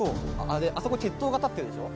あそこ鉄塔が立ってるでしょ？